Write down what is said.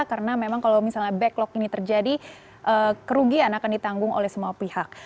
karena memang kalau misalnya backlog ini terjadi kerugian akan ditanggung oleh semua pihak